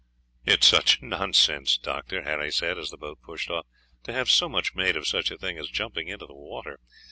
"It is such nonsense, Doctor," Harry said, as the boat pushed off, "to have so much made of such a thing as jumping into the water.